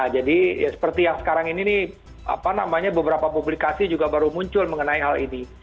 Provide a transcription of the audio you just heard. jadi seperti yang sekarang ini nih apa namanya beberapa publikasi juga baru muncul mengenai hal ini